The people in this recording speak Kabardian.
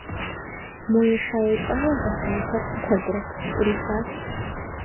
Мо еша-елӀауэ гъуэлъахэр, куэдрэт, Ӏурихащ.